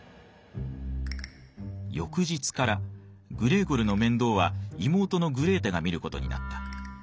翌日からグレーゴルの面倒は妹のグレーテが見る事になった。